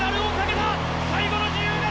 最後の自由形。